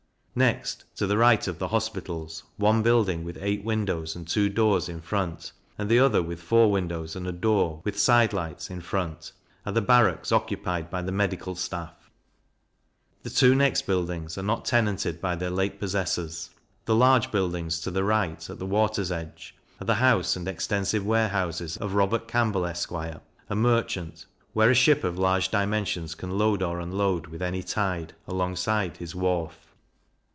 Next, to the right of the Hospitals, one building with eight windows and two doors in front, and the other with four windows and a door, with side lights, in front, are the Barracks occupied by the Medical Staff. The two next buildings are not tenanted by their late possessors. The large buildings to the right, at the water's edge, are the House and extensive Warehouses of Robert Campbell, Esq. a merchant, where a ship of large dimensions can load or unload, with any tide, alongside his wharf.